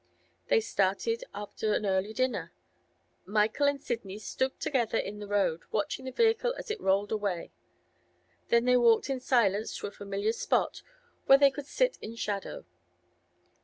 They started after an early dinner. Michael and Sidney stood together in the road, watching the vehicle as it rolled away; then they walked in silence to a familiar spot where they could sit in shadow.